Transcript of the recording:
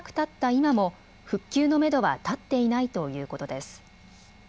今も復旧のめどは立っていないということです。